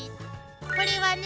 これはね